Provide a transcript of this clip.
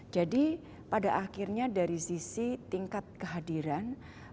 jadi pada akhirnya dari sisi tingkat kehadiran